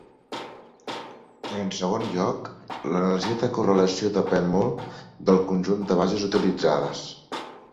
En segon lloc, l'energia de correlació depèn molt del conjunt de bases utilitzades.